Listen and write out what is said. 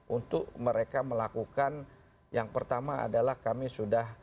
untuk mereka melakukan yang pertama adalah kami sudah